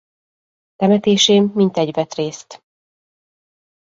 Temetésén mintegy vett részt.